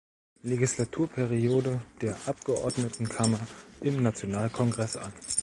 Legislaturperiode der Abgeordnetenkammer im Nationalkongress an.